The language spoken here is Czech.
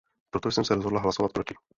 Proto jsem se rozhodla hlasovat proti.